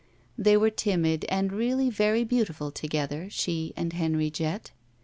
They were timid and really very beautiful together, she and Henry Jett.